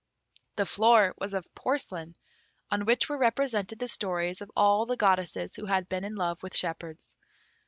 The floor was of porcelain, on which were represented the stories of all the goddesses who had been in love with shepherds.